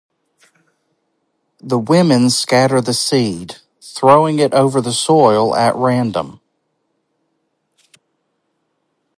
The women scatter the seed, throwing it over the soil at random.